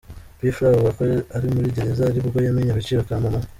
P Fla avuga ko ari muri gereza ari bwo yamenye agaciro ka mama we.